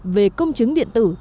về công chứng điện tử